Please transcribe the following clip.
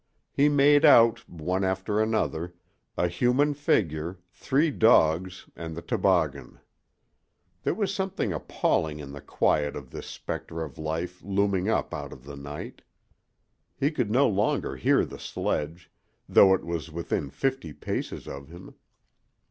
He made out, one after another, a human figure, three dogs, and the toboggan. There was something appalling in the quiet of this specter of life looming up out of the night. He could no longer hear the sledge, though it was within fifty paces of him.